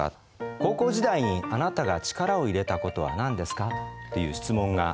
「高校時代にあなたが力を入れたことは何ですか？」っていう質問があったとしますよね。